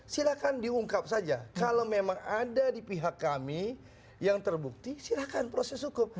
silahkan diungkap saja kalau memang ada di pihak kami yang terbukti silahkan proses hukum